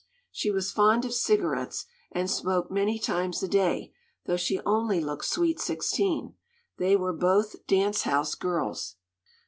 She was fond of cigarettes and smoked many times a day, though she only looked "sweet sixteen." They were both dance house girls.